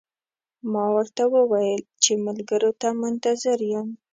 ما ورته وویل چې ملګرو ته منتظر یم.